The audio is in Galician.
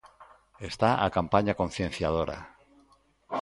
Está a campaña concienciadora.